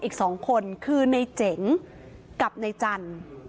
พี่เรื่องการเจ็บ